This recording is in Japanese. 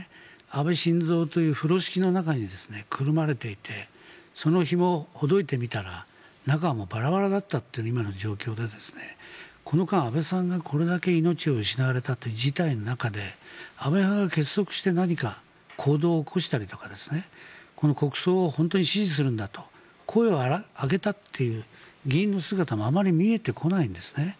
安倍晋三という風呂敷の中にくるまれていてそのひもをほどいてみたら中はバラバラだったという今の状況でこの間、安倍さんがこれだけ命を失われたという事態の中で安倍派が結束して何か行動を起こしたりだとか国葬を本当に支持するんだと声を上げたという議員の姿もあまり見えてこないんですね。